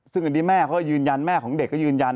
ซึ่งอันนี้แม่เขาก็ยืนยันแม่ของเด็กก็ยืนยัน